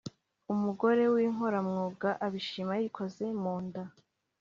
Umugore w’inkoramwuga, abishima yikoze mu nda.